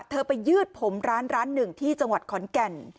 เธอไปยืดผมร้านร้านหนึ่งที่จังหวัดขอนแก่น